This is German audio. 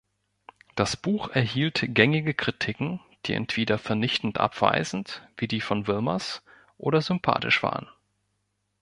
Das Buch erhielt gängige Kritiken, die entweder vernichtend abweisend, wie die von Wilmers, oder sympathisch waren.